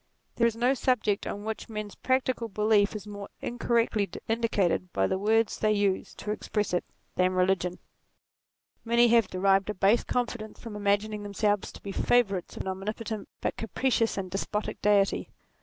There is no subject on which men's practical belief is more incorrectly indicated by the words they use to express it, than religion. Many have derived a base confidence from imagining them selves to be favourites of an omnipotent but capricious and despotic Deity.